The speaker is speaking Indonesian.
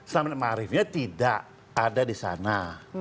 selama ini marifnya tidak ada di sana